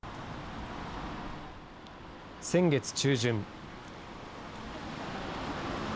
先月中旬。